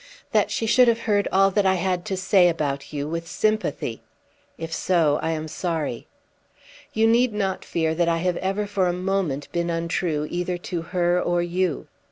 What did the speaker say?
"That she should have heard all that I had to say about you with sympathy. If so, I am so sorry." "You need not fear that I have ever for a moment been untrue either to her or you."